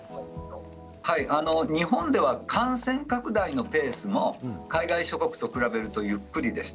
日本では感染拡大のペースも海外諸国と比べるとゆっくりでした。